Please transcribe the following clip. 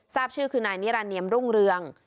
ทราบชื่อคือนายนิรเนียมรุ่งเรือง